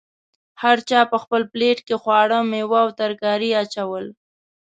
هر چا په خپل پلیټ کې خواړه، میوه او ترکاري اچول.